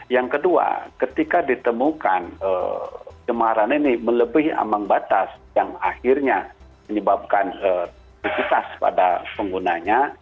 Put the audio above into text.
yang kedua ketika ditemukan cemaran ini melebihi ambang batas yang akhirnya menyebabkan aktivitas pada penggunanya